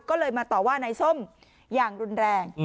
ก็เลยมาต่อว่านายส้มอย่างรุนแรง